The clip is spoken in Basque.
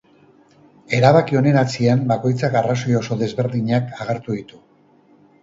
Erabaki honen atzean bakoitzak arrazoi oso ezberdinak agertu ditu.